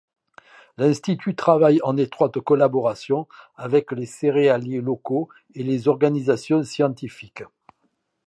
L'Institut travaille en étroite collaboration avec les céréaliers locaux et les organisations scientifiques.